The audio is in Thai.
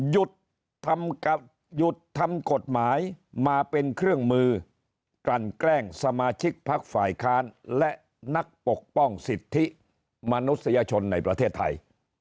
หยุดทำกฎหมายมาเป็นเครื่องมือกลั่นแกล้งสมาชิกพักฝ่ายค้านและนักปกป้องสิทธิมนุษยชนในประเทศไทย